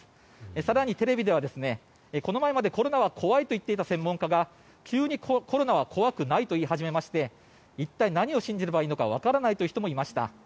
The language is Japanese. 更に、テレビではこの前までコロナは怖いと言っていた専門家が急にコロナは怖くないと言い始めまして一体、何を信じればいいのかわからないという人もいました。